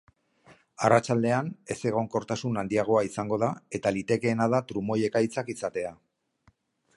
Arratsaldean, ezegonkortasun handiagoa izango da, eta litekeena da trumoi-ekaitzak izatea.